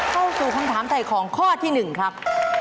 เข้าสู่คำถามถ่ายของข้อที่๑ครับ